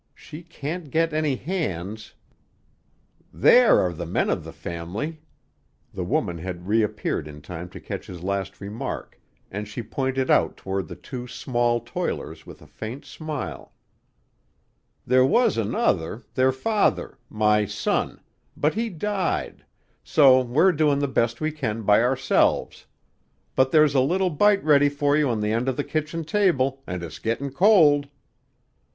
She can't get any hands " "There are all the men of the family." The woman had reappeared in time to catch his last remark, and she pointed out toward the two small toilers with a faint smile. "There was another, their father my son but he died; so we're doin' the best we can by ourselves. But there's a little bite ready for you on the end of the kitchen table, and it's getting cold."